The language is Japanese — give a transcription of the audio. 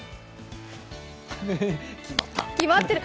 決まってる。